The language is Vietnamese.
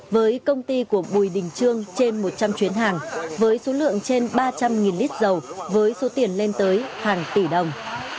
với công ty của bùi đình trương trên một trăm linh chuyến hàng với số lượng trên ba trăm linh lít dầu với số tiền lên tới hàng tỷ đồng